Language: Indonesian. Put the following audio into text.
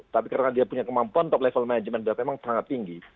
tapi karena dia punya kemampuan top level management berapa memang sangat tinggi